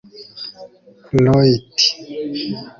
roy t